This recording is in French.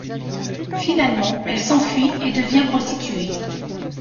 Finalement, elle s'enfuit et devient prostituée.